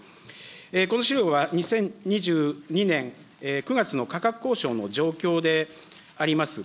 この資料は２０２２年９月の価格交渉の状況であります。